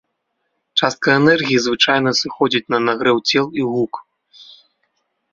Частка энергіі звычайна сыходзіць на нагрэў цел і гук.